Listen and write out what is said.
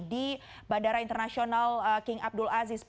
di bandara internasional king abdul aziz